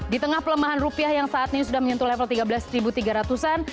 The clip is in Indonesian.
di tengah pelemahan rupiah yang saat ini sudah menyentuh level tiga belas tiga ratus an